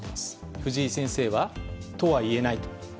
藤井先生は、とはいえないと。